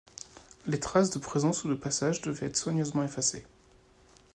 Les traces de présence ou de passage devaient être soigneusement effacées.